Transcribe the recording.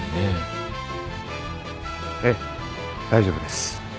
ええ大丈夫です